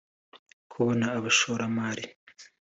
kubona abashoramari